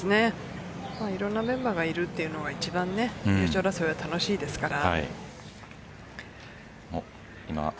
いろんなメンバーがいるというのが一番優勝争いは楽しいですから。